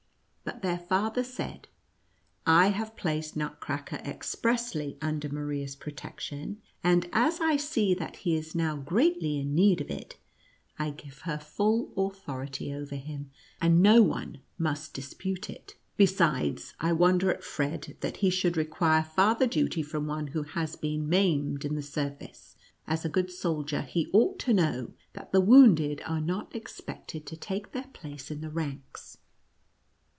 But their father said, " I have placed Nutcracker expressly under Maria's protection, and as I see that he is now greatly in need of it, I give her full authority over him, and no one must dispute it. Besides, I wonder at Fred, that he should require farther duty from one who has been maimed in the service. As a good soldier, he ought to know that the wounded are not expected to take their place in the ranks."